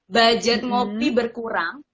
budget mobil berkurang